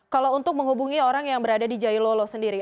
kalau untuk menghubungi orang yang berada di jailolo sendiri